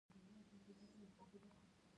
د سمو خبرو اصلي مانا یوازې لېوالتیا ده